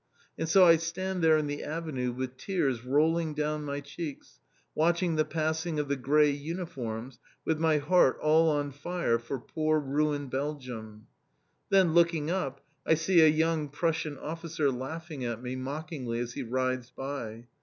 And so I stand there in the Avenue with tears rolling down my cheeks, watching the passing of the grey uniforms, with my heart all on fire for poor ruined Belgium. Then, looking up, I see a young Prussian officer laughing at me mockingly as he rides by.